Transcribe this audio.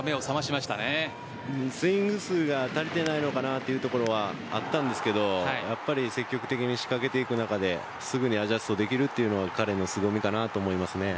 スイング数が足りていないのかなというところはあったんですがやっぱり積極的に仕掛けていく中ですぐにアジャストできるのが彼のすごみかなと思います。